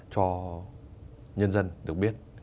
cho nhân dân được biết